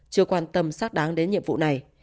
chưa quan tâm sát đáng đến nhiệm vụ này